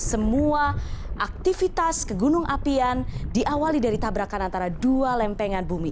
semua aktivitas ke gunung apian diawali dari tabrakan antara dua lempengan bumi